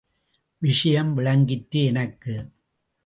விஷயம் விளங்கிற்று எனக்கு.